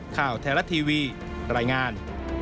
ข่าวแทละทีวีรายงาน